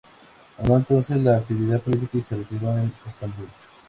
Abandonó entonces la actividad política y se retiró en Estambul.